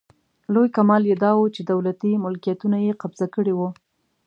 لوی کمال یې داوو چې دولتي ملکیتونه یې قبضه کړي وو.